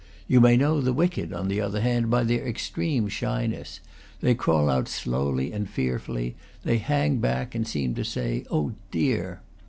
You may know the wicked, on the other hand, by their extreme shy ness; they crawl out slowly and fearfully; they hang back, and seem to say, "Oh, dear!"